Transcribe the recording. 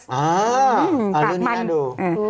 อ๋อเรื่องนี้น่าดู